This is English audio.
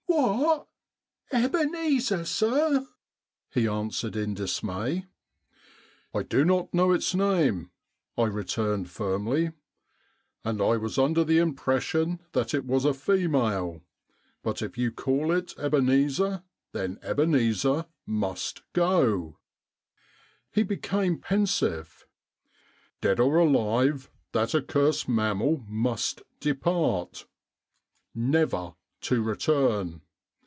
" What, Hebeneezer, sir ?" he answered m dismay. " I do not know its name," I returned firmly, " and I was under the impression that it was a female ; but if you call it Ebeneezer, then Ebeneezer must go." He became pen sive. " Dead or alive that accursed mam mal must depart, never to return.